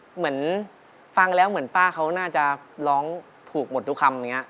เหมือนฟังแล้วเหมือนป้าเขาน่าจะร้องถูกหมดทุกคำอย่างนี้